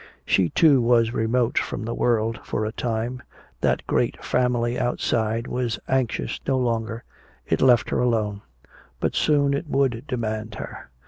She, too, was remote from the world for a time. That great family outside was anxious no longer, it left her alone. But soon it would demand her.